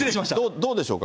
どうでしょうか？